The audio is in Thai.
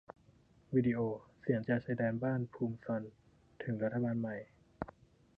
วีดีโอ : เสียงจากชายแดนบ้านภูมิซรอลถึงรัฐบาลใหม่